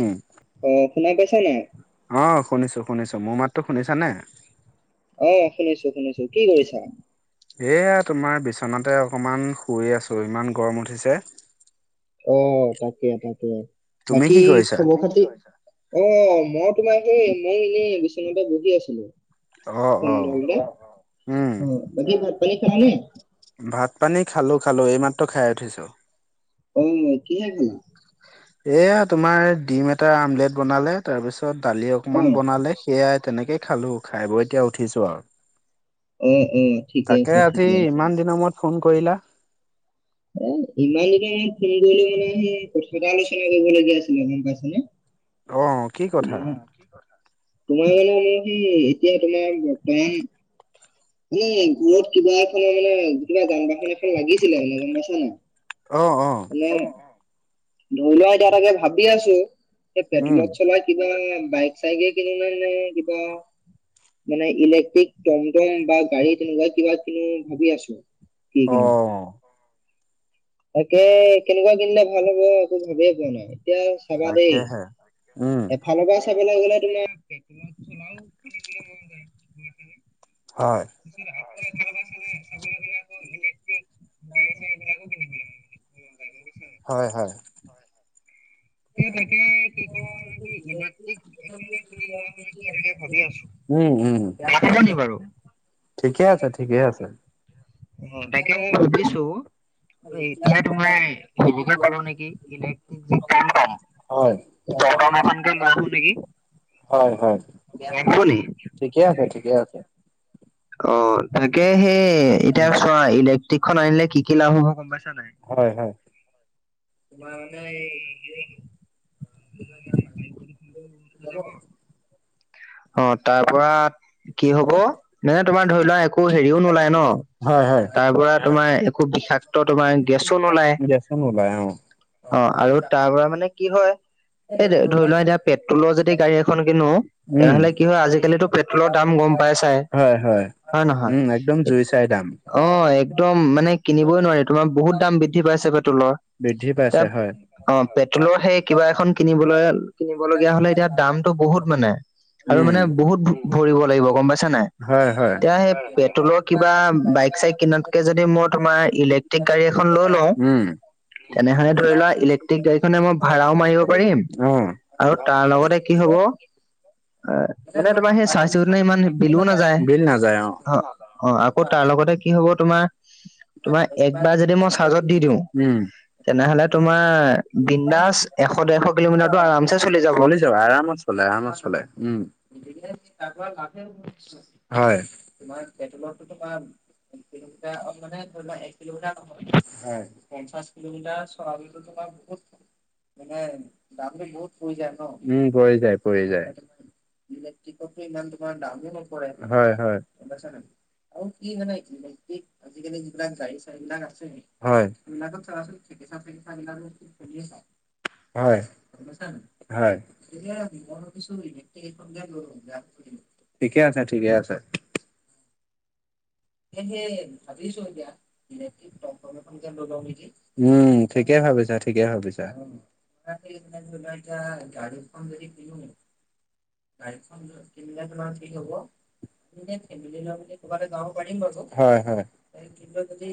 উম। অ', শুনাই পাইছা নাই? অ', শুনিছো শুনিছো, মোৰ মাততো শুনিছা নে? অ', শুনিছো শুনিছো, কি কৰিছা? এয়া তোমাৰ বিচনাতে অকমান শুইে আছো ইমান গৰম উঠিছে। অ', তাকে তাকে, তুমি বাকী কি কৰিছা? খবৰ খাতি অ', মই তোমাৰ সেই মইও এনেই বিচনাতে বহি আছিলোঁ। অ' অ' উম, [unintelligible] বাকী ভাত পানী খালি নে? ভাত পানী খালো খালো, এইমাত্ৰ খাই উঠিছো। অহ কিহেৰে খালা? এয়া তোমাৰ ডিম এটা আমলেট বনালে, তাৰপিছত দালি অ অকমান বনালে সেয়াই তেনেকেই খালোঁ, খাই বৈ এতিয়া উঠিছোঁ আৰু। অ অ ঠিকে তাকে, আছে আজি ঠিকে আছে ইমান তাকে আজি দিনৰ মূৰত ফোন কৰিলা! এ, ইমান দিনৰ মূৰত ফোন কৰিলোঁ মানে সেই কথা এটা আলোচনা কৰিবলগীয়া আছিলে গম পাইছানে! অ'। কি কথা? তোমাৰ কি কথা? তোমাৰ মানে মোৰ সি এতিয়া তোমাৰ বৰ্তমান মানে ঘৰত কিবা এখনৰ মানে কিবা যান বাহন এখন লাগিছিলে মানে গম পাইছা নাই! অ', অ'। মানে ধৰি লোৱা, এতিয়া তাকে ভাবি আছোঁ এই উম, পেট্ৰলত চলাই কিবা বাইক চাইকে কিনো নে, কিবা মানে ইলেক্ট্ৰিক টমটম বা গাড়ী তেনেকুৱাই কিবা কিনো, ভাবি আছোঁ কি কিনো! অ' তাকে, কেনেকুৱা কিনিলে ভাল হ'ব একো ভাবিয়ে পোৱা নাই। এতিয়া চাবা দেই তাকেহে। উম, এফালৰ পৰা চাবলৈ গ'লে তোমাৰ পেট্ৰলত চলা [inaudible] [inaudible] হয়। [inaudible] ইলেক্ট্ৰিক গাড়ী চাড়ী বিলাকো কিনিবলৈ মন গৈছে হয়, হয়। [inaudible] এ তাকে কি কৰো নেকি ইলেক্ট্ৰিক এখন গাড়ী কিনি লোৱা হয় নেকি তাকে ভাবি আছো। উম, উম। বেয়া পাবা নি বাৰু? ঠিকে আছে, ঠিকে আছে। অ', তাকে মই ভাবিছোঁ এতিয়া তুমি [unintelligible] ক'লো নেকি, ইলেক্ট্ৰিক যি কাম হয় [unintelligible] টমটম এখনকে লৈ আনো নেকি? হয়, হয়, বেয়া হ'ব নি? ঠিকে আছে, ঠিকে আছে। অ', তাকে সেই এতিয়া চোৱা ইলেক্ট্ৰিকখন আনিলে কি, কি লাভ হ'ব গম পাইছা নাই! হয়, হয়। তোমাৰ মানে এই হেৰি হ'ব বায়ু [inaudible] অ', তাৰ পৰা কি হ'ব, এ, তোমাৰ ধৰি লোৱা একো হেৰিও নোলায় ন, হয় হয়। তাৰ পৰা তোমাৰ একো বিষাক ক্ত তোমাৰ গেছো নোলায়! গেছন ওলাই অ। অ', আৰু তাৰ পৰা মানে কি হয়, এই ধৰি লোৱা এতিয়া পেট্ৰলৰ যদি গাড়ী এখন কিনো, উম। তেনেহ'লে কি হয়, আজিকালিতো পেট্ৰলৰ দাম গম পাইছাই! হয় হয়, উম, এককদম জুই চাই দাম। অ', একদম মানে কিনিবই নোৱাৰি, তোমাৰ বহুত দাম বৃদ্ধি পাইছে পেট্ৰলৰ। বৃদ্ধি এতিয়া পাইছে হয়। অ', পেট্ৰলৰ সেই কিবা এখন কিনিবলৈ, কিনিবলগীয়া হ'লে এতিয়া দামতটো বহুত মানে! আৰু উম মানে বহুত ভৰিব লাগিব গম পাইছা নাই? হয় হয়। এতিয়া, সেই পেট্ৰলৰ কিবা বাইক চাইক কিনাতকে যদি মই তোমাৰ ইলেক টিক গাড়ী এখন লৈ লওঁ উম তেনেহ'লে ধৰি লোৱা, ইলেক্ট্ৰিক গাড়ীখনে মই ভাড়াও মাৰিব পাৰিম অ আৰু তাৰ লগতে কি হ'ব অ', মানে তোমাৰ সেই চাৰ্জ দিওঁতে ইমান বিলও নাযায় বিল নাযায় অ'। অ', আকৌ তাৰ লগতে কি হ'ব তোমাৰ, তোমাৰ একবাৰ যদি মই চাৰ্জত দি দিওঁ উম। তেনেহ'লে তোমাৰ বিন্দাস এশ দেৰশ কিলোমিটাৰটো আৰামছে চলি যাব। আৰামত লে আমাৰ চ'লে উম। হয়, তোমাৰ পেট্ৰলটো তোমাৰ কিলোমিটাৰত [unintelligible] [inaudible] মানে দামটো বহুত পৰি যায় ন, উম, পৰি যায় পৰি যায়। ইলেক্ট্ৰিকৰতো ইমান তোমাৰ দামো নপৰে, হয় হয়। গম পাইছা নাই? আৰু কি মানে ইলেক্ট্ৰিক আজিকালি এইবিলাক গাড়ী চাৰিবিলাক আছে, হয়। এইবিলাকত চাবাচোন চিকিচা চিকিচাবিলাক শুনি আছা? হয়। গম পাইছা নাই? হয়। এনে মই ভাবিছোঁ ইলেক্ট্ৰিক ঠিকে আছে, ঠিকে আছে। এ, হে, ভবিছোঁ দয়া টমটম এখনকে লৈ লওঁ নেকি। উম, ঠিকেই ভাবিছা, ঠিকেই ভাবিছা। তাকে এতিয়া ধৰি লোৱা এতিয়া গাড়ীখন যদি কিনো গাড়ীখন কিনিলে তোমাৰ কি হ'ব এনে ফেমিলিৰ লগত ক'ৰবাত যাব পাৰিম বাৰু, হয় হয়। এ, কিবা যদি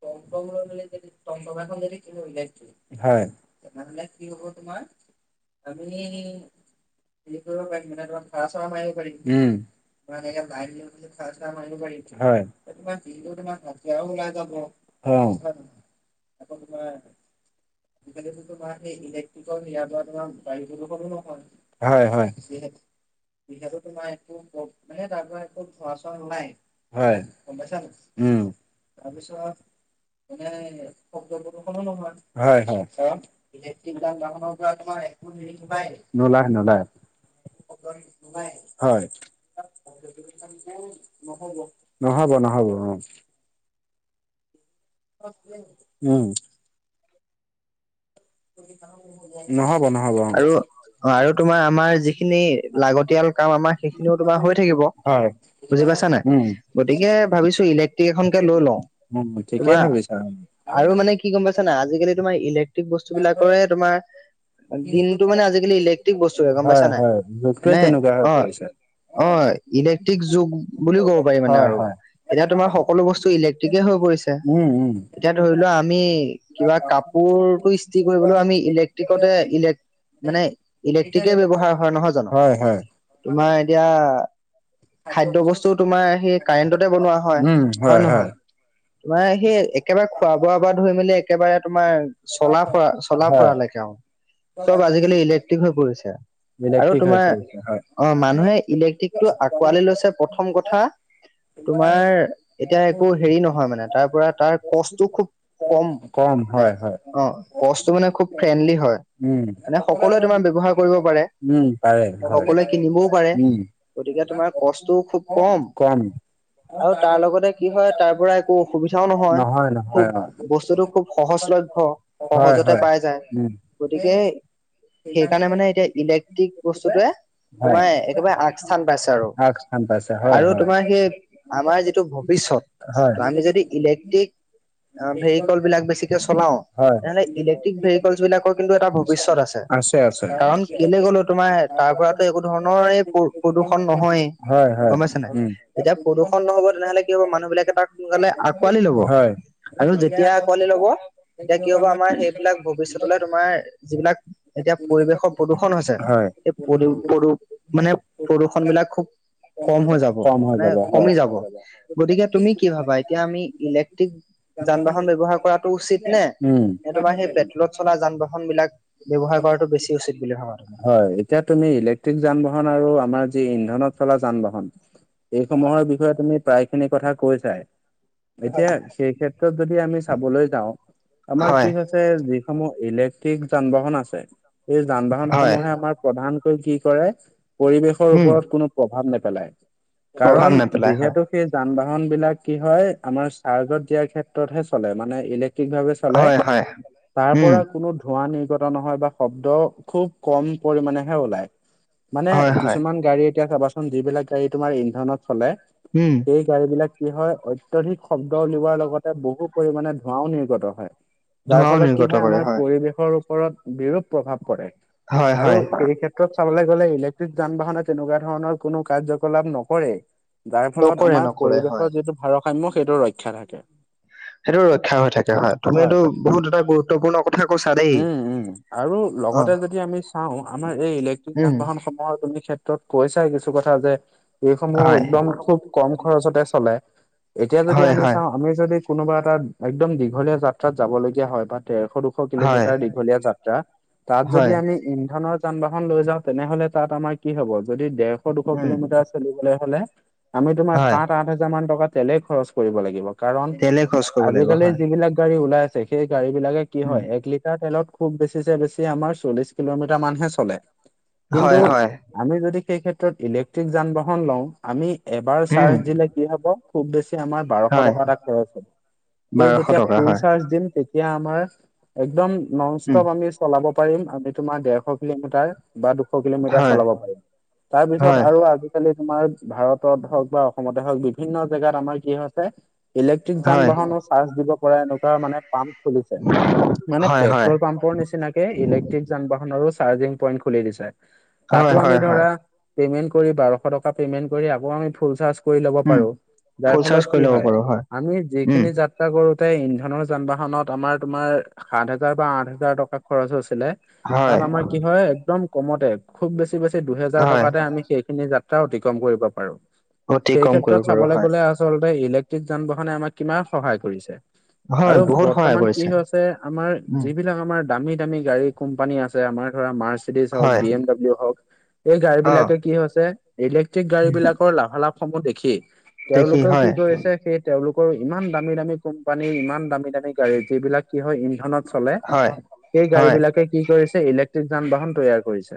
টমটম লৈ ল'লে, এতিয়া যদি টমটম এখন কিনো ইলেক্ট্ৰিক হয়। তেনেহ'লে কি হ'ব তোমাৰ আমি হেৰি কৰিব পাৰিম মানে তোমাৰ ভাড়া চাৰা মাৰিব পাৰিম, উম, বা এনেকে লাইন লৈ ভাড়া চাৰা মাৰিব পাৰিম, হয়, বা দিনটোৰ তোমাৰ খচৰাও উলাই যাব। হয়, পিছত নাজানিলে শিকালেতো তোমাৰ সেই ইলেক্ট্ৰিকৰ হেয়াৰপৰা তোমাৰ গাড়ী প্ৰদূষণো নহয়। হয় হয়। যিহে যিহেতু তোমাৰ একো মানে তাৰপৰা একো ধোঁৱা চোৱা নোলায় হয়, গম পাইছা নাই? উম। তাৰপিছত মানে শব্দ প্ৰদূষনো নহয়। হয়, হয়। ইলেক্ট্ৰিক যান বাহনৰপৰা তোমাৰ একো নিৰিখিপাই, নোলাই। নোলায়, হয়। নহ'ব, নহ'ব অ'। উম। নহ'ব নহ'ব অ'। আৰু অ' আৰু তোমাৰ আমাৰ যিখিনি লাগতিয়াল কাম আমাৰ সেইখিনিও তোমাৰ হৈ থাকিব। হয় বুজি পাইছা নাই? উম গতিকে ভাবিছোঁ ইলেক্ট্ৰিক এখনকে লৈ লওঁ। উম, ঠিকেই ভাবিছা। আৰু মানে কি আছে নাই, আজিকালি তোমাৰ ইলেক্ট্ৰিক বস্তুবিলাকৰে তোমাৰ দিনটো মানে আজিকালি ইলেক্ট্ৰিক বস্তু পাবা গম হয় পাইছা নাই? হয় যুগটোৱে মানে, তেনেকুৱা হৈ পৰিছে অ'। অ' ইলেক্ট্ৰিক যুগ বুলিও ক'ব পাৰি মানে হয় আৰু। হয় এতিয়া তোমাৰ সকলো বস্তু ইলেক্ট্ৰিকে হৈ পৰিছে। উম উম এতিয়া ধৰি লোৱা আমি কিবা কাপোৰটো ইস্ত্ৰি কৰিবলৈ আমি ইলেক্ট্ৰিকতে ইলেক মানে ইলেক্ট্ৰিকে ব্যৱহাৰ হয় নহয় জানো? হয় হয় তোমাৰ এতিয়া খাদ্য বস্তুও তোমাৰ সেই কাৰেন্টতে বনোৱা হয়, হয় নহয়? তোমাৰ সেই একেবাৰে খোৱা বোৱাৰপৰা ধৰি মেলি একেবাৰে তোমাৰ চলা ফৰা, চলা হয় ফৰালৈকে চব আজিকালি ইলেক্ট্ৰিক হৈ পৰিছে। আৰু ইলেক্ট্ৰিক হৈ তোমাৰ পৰিছে হয় অ' মানুহে ইলেক্ট্ৰিকটো আকোৱালি লৈছে প্ৰথম কথা তোমাৰ এতিয়া একো হেৰি নহয় মানে তাৰপৰা তাৰ কচটো খুব কম, মানে হয় হয়। অ' কচটো মানে খুব ফ্ৰেণ্ডলি হয়। উম মানে সকলোৱে তোমাৰ ব্যৱহাৰ কৰিব পাৰে, উম পাৰে হয় সকলোৱে কিনিবও পাৰে। উম গতিকে তোমাৰ কষ্টও খুব কম। আৰু তাৰ লগতে কি হয় তাৰপৰা একো অসুবিধাও নহয়, নহয় খুব অ বস্তুটো খুব সহজলভ্য। হয় সহজতে হয় পাই যায় উম গতিকে সেইকাৰণে মানে এতিয়া ইলেক্ট্ৰিক বস্তুটোয়ে হয় তোমাৰ একেবাৰে আগস্থান পাইছে আৰু, আগ স্থান পাইছে হয় আৰু হয় তোমাৰ সেই আমাৰ যিটো ভৱিষ্যত ত' আমি যদি হয় ইলেক্ট্ৰিক ভেহিকলবিলাক বেছিকে চলাও হয়। তেনেহ'লে ইলেক্ট্ৰিক ভেহিকলছবিলাকত কিন্তু এটা ভৱিষ্যত আছে কাৰণ কেলে ক'লোঁ তোমাৰ তাৰ পৰাতো একো ধৰণৰ এই পো প্ৰদূষণ নহয়েই। হয় হয় গ'ম পাইছা নাই উম যেতিয়া প্ৰদূষণ নহ'ব তেনেহলে কি হ'ব মানুহ বিলাকে তাক সোনকালে আঁকোৱালি ল'ব। হয় আৰু যেতিয়া আঁকোৱালি ল'ব তেতিয়া কি হ'ব আমাৰ সেইবিলাক ভৱিষ্যতলৈ তোমাৰ যিবিলাক এতিয়া পৰিৱেশৰ প্ৰদূষণ হৈছে, হয় এই মানে পদূ পূদ প্ৰদূষণ বিলাক খুব কম হৈ যাব কম হৈ মানে যাব কমি হয়। যাব। গতিকে তুমি কি ভাবা? এতিয়া আমি ইলেক্ট্ৰিক যান বাহন ব্যৱহাৰ কৰাটো উচিত নে? ক সেইট [unintelligible] লা যান বাহন বিলাক ব্যৱহাৰ কৰাটো বেছি উচিত বুলি ভাবা তুমি। হয় এতিয়া তুমি ইলেক্ট্ৰিক যান বাহন আৰু আমাৰ যি ইন্ধনত চলা যান বাহন এইসমূহৰ বিষয়ে তুমি প্ৰায় খিনি কথা কৈছাই। এতিয়া সেই ক্ষেত্ৰত যদি আমি চাবলৈ যাওঁ আমাৰ কি হয় হৈছে সমূহ ইলেক্ট্ৰিক যান বাহন আছে এই যান বাহন হয় সমূহে আমাৰ প্ৰধানকৈ কি কৰে পৰিৱেশৰ উম ওপৰত কোনো প্ৰভাৱ নেপেলায়। প্ৰভাৱ কাৰণ নেপেলাই হয় যিহেতু সেই যান বাহন বিলাক কি হয় আমাৰ চাৰ্জত দিয়াৰ ক্ষেত্ৰত হে চলে মানে ইলে ঠিকভাৱে চলায়। হয় হয় তাৰ উম পৰা কোনো ধোঁৱা নিৰ্গত নহয় বা শব্দ খুব কম পৰিমমানেহে ওলায়। মানে হয় হয় কিছুমান গাড়ী এতিয়া চাবাচোন যিবিলাক গাড়ী তোমাৰ ইন্ধনত চলে। উম। এই গাড়ী বিলাক কি হয় অত্যাধিক শব্দ উলিওৱাৰ লগতে বহু পৰিমামানে ধোঁৱাও নিৰ্গত হয়। যাৰ ধোৱাও ফলত কি নিৰ্গত কৰে আমাৰ হয় পৰিৱেশৰ ওপৰত বিৰূপ প্ৰভাৱ পৰে হয় আৰু হয় এই ক্ষেত্ৰত চাব গলে ইলেক্ট্ৰিক যান বাহনে তেনেকুৱা ধৰণৰ কোনো কাৰ্যকলাপ নকৰে। যাৰ ফলত নকৰে আমাৰ নকৰে পৰিৱেশৰ হয় যিটো ভাৰসাম্য সেইটো ৰক্ষা থাকে। সেইটো ৰক্ষা হৈ থাকে হয় তুমিটো বহুত এটা গুৰুত্বপূৰ্ণ কথা কৈছা দেই উম, উম আৰু অ লগতে যদি আমি চাওঁ আমাৰ এই ইলেক্ট্ৰিক যান উম বাহনসমূহৰ তুমি তো কৈছাই কিছু কথা যে এইসমূহ হয় একদম খুব কম খৰচতে চলে এতিয়া যদি হয় আমি হয় চাওঁ আমি যদি কোনোবা এটা একদম দীঘলীয়া যাত্ৰাত যাব লগগীয়া হয় বা ডেৰশ দুখ হয় কিলোমিটাৰ দীঘলীয়া যাত্ৰা তাত যদি হয় আমি ইন্ধনৰ যান বাহন লৈ যাওঁ তেনেহ'লে তাত আমাৰ কি হব যদি ডেৰশ দুশ উম কিলোমিটাৰ চলিবলৈ হ'লে আমি তোমাৰ হয় সাত আঠ হাজাৰ মান টকা তেলেই খৰচ কৰিব লাগিব। কাৰণ তেলে খৰচ কৰিব লাগিব আজিকালি হয় যিবিলাক গাড়ী ওলাই আছে সেই গাড়ী বিলাকে কি উম হয় এক লিটাৰ তেলত খুব বেছিছে বেছি আমাৰ চল্লিশ কিলোমিটাৰ মানহে চলে কিন্তু হয় হয় আমি যদি সেই ক্ষেত্ৰত ইলেক্ট্ৰিক যান বাহন লও আমি এবাৰ উম চাৰ্জ দিলে কি হ'ব খুব বেছি আমাৰ বাৰ হয় টকা এটা খৰছ হ'ব বাৰশ যেতিয়া টকা ফুল হয় চাৰ্জ দিম এতিয়া আমাৰ একদম নন উম ষ্টপ আমি চলাব পাৰিম আমি তোমাৰ দেৰশ কিলোমিটাৰ বা দুশ কিলোমিটাৰ হয় চলাব পাৰিম তাৰ পিছত হয় আৰু আজি আ তোমাৰ ভাৰতত হওঁক বা অসমতে হওঁক বিভিন্ন জেগাত আমাৰ কি হৈছে ইলেক্ট্ৰিক যান হয় বাহন চাৰ্জ দিব পৰা এনেকুৱা মানে পাম্প খুলিছে মানে হয় হয় পেট্ৰল পাম্প ৰ নিচিনাকে ইলেক্ট্ৰিক যান বাহনৰো চাৰ্জিং পইন্ট খুলি দিছে তাতো হয় আমি হয় হয় ধৰা পেমেণ্ট কৰি বাৰশ টকা পেমেণ্ট কৰি আকৌ আমি ফুল চাৰ্জ কৰি ল'ব উম পাৰো যাৰ ফুল চাৰ্জ ফলত কৰি কি ল'ব হয় পাৰো আমি উম যিখিনি যা যাএ কৰোতে ইন্ধনৰ যান বাহনত আমাৰ তোমাৰ সাত হাজাৰ বা আঠ হাজাৰ টকা খৰচ হৈছিলে হয় তাত আমাৰ কি হয় একদম কমতে খুব বেছি বেছি দুহেজাৰ হয় টকাতে আমি সেইখিনি যা অতিক্ৰম কৰিব পাৰো, অতি সেই কম কৰিব ক্ষেত্ৰত পাৰো চাবলৈ হয় গ'লে আচলতে ইলেক্ট্ৰিক যান বাহনে আমাক কিমান সহায় কৰিছে। হয় আৰু বহুত সহায় বৰ্তমান কি কৰিছে ‌হৈছে আছে আমাৰ উম, যিবিলাক আমাৰ দামী দামী গাড়ী কোম্পানী আমাৰ ধৰা মাৰ্চ দি চাওঁক হয়, বি এম ডলিউ হওঁক এই গাড়ী অ'। বিলাকে কি হৈছে ইলেক্ট্ৰিক গাড়ী বিলাক লাভা লাভসমূহ দেখি দেখি তেওঁলোকেও কি হয়, কৰিছে সেই তেওঁলোকৰ ইমান দামী, দামী কোম্পানী ইমান দামী, দামী গাড়ী যিলাক কি হয় ইন্ধনত চলে হয়, সেই গাড়ী হয়, বিলাকে কি কৰিছে ইলেক্ট্ৰিক যান বাহন তৈয়াৰ কৰিছে।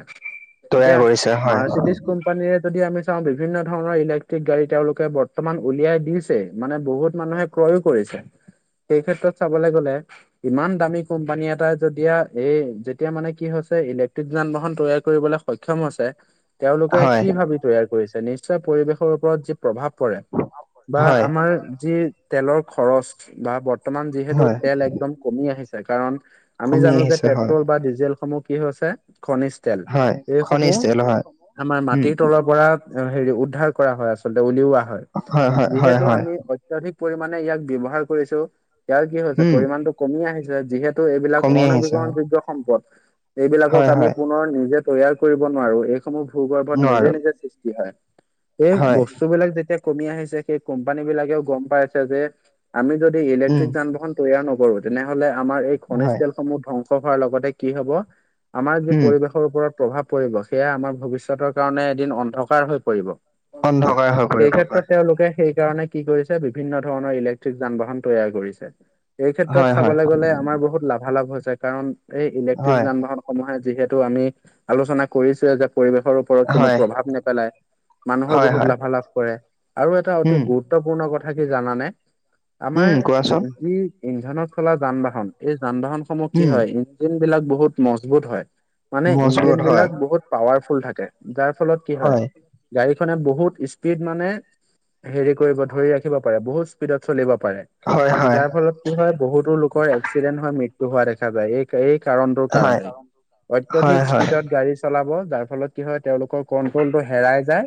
তৈয়াৰ এতিয়া কৰিছে হয়, মাৰ্চিডিছ কোম্পানীৰে যদি আমি চাওঁ বিভিন্ন ধৰণৰ ইলেক্ট্ৰিক গাড়ী তেওঁলোকে বৰ্তমান উলিয়াই দিছে মানে বহুত মানুহে ক্ৰয়ো কৰিছে। সেই ক্ষেত্ৰত চাবলৈ গ'লে ইমান দামী কোম্পানী এটাই যেতিয়া এই যেতিয়া মানে কি হৈছে ইলেক্ট্ৰিক যান বাহন তৈয়াৰ কৰিবলে সক্ষম আছে তেওঁলোকে হয়, কি ভাবি তৈয়াৰ কৰিছে নিশ্চয় পৰিৱেশৰ ওপৰত যি প্ৰভাৱ পৰে বা হয়, আমাৰ যি তেলৰ খৰচ বা বৰ্তমান যিহেতু হয়, তেল একদম কমি আহিছে কাৰণ আমি কমি জানো যে আহিছে হয়, পেট্ৰল বা ডিজেলসমূহ কি হৈছে খনিষ্ঠ তেল হয়, খনিজ এইসমূহ তেল হয়, আমাৰ উম, মাটিৰ তলৰ পৰা হেৰি উদ্ধাৰ কৰা হয় আচলতে উলিওৱা হয় হয়, হয়, যিহেতু হয়, আমি অত্যাধিক পৰিমাণে ইয়াক ব্যৱহাৰ কৰিছোঁ ইয়াৰ কি হৈছে উম, পৰিমাণটো কমি আহিছে যিহেতু এইবিলাক কমি আহিছে অণবীকৰণ হয়, যোগ্য সম্পদ এইবিলাকক হয়, আমি হয়, পুনৰ নিজে তৈয়াৰ কৰিব নোৱাৰো এইসমূহ ভূগৰ্ভত নিজে নোৱাৰো, নিজে সৃষ্টি হয় এই হয়, বস্তুবিলাক যেতিয়া ম আহিছে সেই কোম্পানী বিলাকেও গ'ম পাইছে যে আমি যদি উম, ইলেক্ট্ৰিক যান বাহন তৈয়াৰ নকৰো তেনেহলে আমাৰ এই খনিজ হয়, তেলসমূহ ধ্বংস হোৱাৰ লগতে কি হব আমাৰ যি উম, পৰিৱেশৰ ওপৰত প্ৰভাৱ পৰিব সেয়া আমাৰ ভৱিষ্যতৰ কাৰণে এদিন অন্ধকাৰ হৈ পৰিব অন্ধকাৰ হৈ সেই পৰিব ক্ষেত্ৰত হয়, তেওঁলোকে সেই কাৰণে কি কৰিছে বিভিন্ন ধৰণৰ ইলেক্ট্ৰিক যান বাহন তৈয়াৰ কৰিছে এই ক্ষেত্ৰত হয়, হয়, চাবলৈ গ'লে আমাৰ বহুত লাভালাভ হৈছে কাৰণ এই ইলেক্ট্ৰিক হয়, যান বাহন সমূহে যিহেতু আমি আলোচনা কৰিছোৱে যে পৰিবেশৰ ওপৰত কোনো হয়, প্ৰভাৱ নেপেলাই মানুহৰ হয়, বহুত হয়, লাভালাভ কৰে আৰু এটা অতি উম, গুৰুত্ব গুৰুত্বপূৰ্ণ কথা কি জানানে আমাৰ উম, কোৱাচোন, যি ইন্ধনত চলা যান বাহন এই যান বাহন সমূহ কি উম, হয় ইঞ্জিন বিলাক বহুত মজবুত হয় মানে ইঞ্জিন মজবুত হয়, বিলাক বহুত পাৱাৰফুল থাকে যাৰ ফলত কি হয়। গাড়ীখনে বহুত স্পীড মানে হেৰি কৰিব ধৰি ৰাখিব পাৰে বহুত স্পীডত চলিব হয়, হয়। ল কি হয় বহুতো লোকৰ এক্সিডেণ্ট হৈ মৃত্যু হোৱা দেখা যায় এই এই কাৰণটোৰ হয়, কাৰণে অত্যাধিক হয়, হয়। স্পীডত গাড়ী চলাব যাৰ ফলত কি হয় তেওঁলোকৰ কন্ট্ৰল টো হেৰাই যায়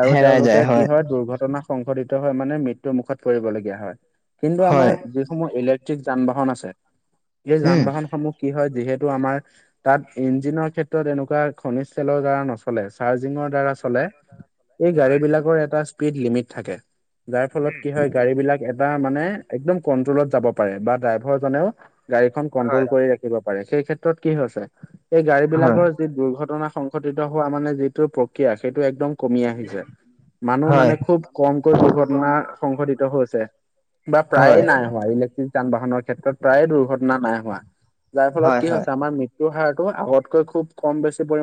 আৰু হেৰাই তেওঁলোকে যায় কি হয় দুৰ্ঘটনা সংঘটিত হৈ মানে মৃত্যু মুুখত পৰিবলগীয়া হয় কিন্তু আমাৰ হয় যিসমূহ ইলেক্ট্ৰিক যান বাহন আছে এই যান উম বাহন সমূহ কি হয় যিহেতু আমাৰ তাত ইঞ্জিনৰ ক্ষেত্ৰত এনেকুৱা খনিজ তেলৰ দ্বাৰা নচলে চাৰ্জিংৰ দ্বাৰা গাড়ী বিলাক এটা স্পীদ লিম্মট থাকে যাৰ ফলত কি হয় গাড়ী বিলাক এটা মানে একদম কন্ট্ৰলত যাব পাৰে বা ড্ৰাইভাৰ জনেও গাড়ীখন কন্ট্ৰল কৰি ৰাখিব পাৰে সেই ক্ষেত্ৰত কি হৈছে এই গাড়ী হয় বিলাকৰ যি দুৰ্ঘটনা সংঘটিত হোৱা মানে যিটো প্ৰক্ৰিয়া সেইটো একদম কমি আহিছে মানুহ হয় মানে খুব কমকৈ দুৰ্ঘটনা সংঘটিত হৈছে। বা প্ৰায়ে হয় নাই হোৱা ইলেক্ট্ৰিক যান বাহনৰ ক্ষেত্ৰত প্ৰায়ে দুৰ্ঘটনা নাই হোৱা। যাৰ ফলত হয় কি হয় হৈছে আমাৰ মৃত্যুৰ হাৰটো আগতকৈ খুব কম বেছি পৰিমাণে